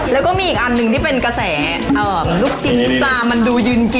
แล้วก็มีอีกอันหนึ่งที่เป็นกระแสลูกชิ้นปลามันดูยืนกิน